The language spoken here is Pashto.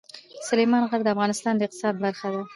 سلیمان غر د افغانستان د اقتصاد برخه ده.